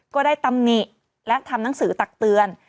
ตำหนิและทำหนังสือตักเตือน